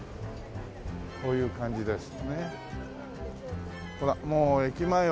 こういう感じですね。